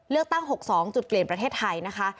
เลือกตั้ง๖๒จุดเปลี่ยนประเทศไทยนะคะ